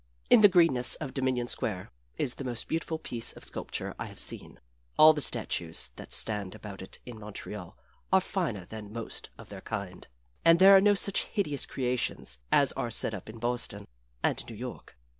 In the greenness of Dominion Square is the most beautiful piece of sculpture I have seen. All the statues that stand about in Montreal are finer than most of their kind, and there are no such hideous creations as are set up in Boston and New York.